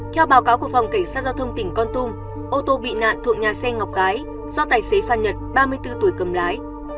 theo báo cáo của phòng cảnh sát giao thông tỉnh con tum ô tô bị nạn thuộc nhà xe ngọc gái do tài xế phan nhật ba mươi bốn tuổi cầm lái